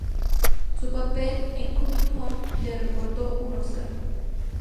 Su papel en "Coming Home" le reportó un Óscar.